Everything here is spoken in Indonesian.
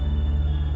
aku bisa sembuh